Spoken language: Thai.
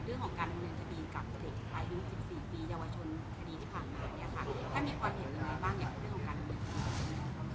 อย่างเรื่องของการดำเนินคดี